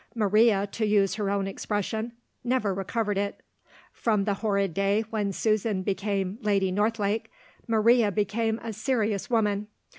Maria, to use her own expression, never recovered it. From the horrid day when Susan became Lady Northlake, Maria became a serious woman.